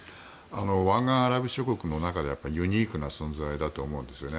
湾岸アラブ諸国の中でユニークな存在だと思うんですよね。